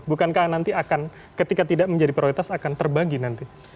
bukankah nanti akan ketika tidak menjadi prioritas akan terbagi nanti